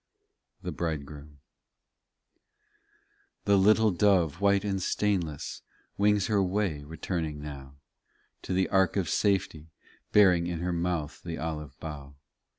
THE BRIDEGROOM 34 The little dove, white and stainless, Wings her way, returning now, To the ark of safety, bearing In her mouth the olive bough.